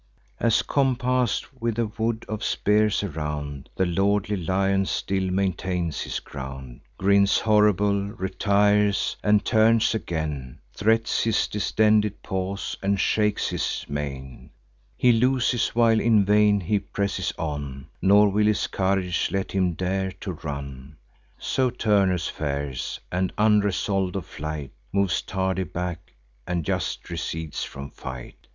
As, compass'd with a wood of spears around, The lordly lion still maintains his ground; Grins horrible, retires, and turns again; Threats his distended paws, and shakes his mane; He loses while in vain he presses on, Nor will his courage let him dare to run: So Turnus fares, and, unresolved of flight, Moves tardy back, and just recedes from fight.